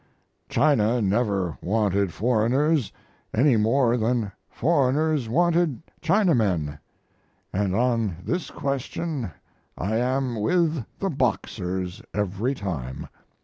China never wanted foreigners any more than foreigners wanted Chinamen, and on this question I am with the Boxers every time.